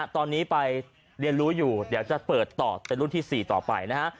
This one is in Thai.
ตอนนี้ไปเรียนรู้อยู่เดี๋ยวจะเปิดต่อเป็นรุ่นที่๔ต่อไปนะฮะ